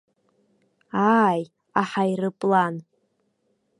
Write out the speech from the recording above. Ааи, аҳаирплан.